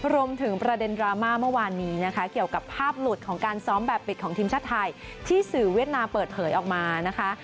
ประเด็นดราม่าเมื่อวานนี้นะคะเกี่ยวกับภาพหลุดของการซ้อมแบบปิดของทีมชาติไทยที่สื่อเวียดนามเปิดเผยออกมานะคะ